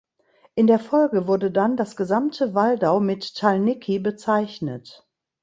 In der Folge wurde dann das gesamte Waldau mit Talniki bezeichnet.